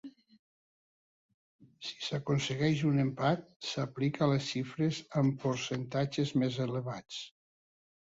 Si s'aconsegueix un empat, s'aplica a les xifres amb percentatges més elevats.